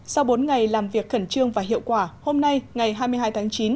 sau bốn ngày làm việc khẩn trương và hiệu quả hôm nay ngày hai mươi hai tháng chín